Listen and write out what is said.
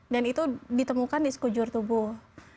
itu ditemukan di sekujur tubuh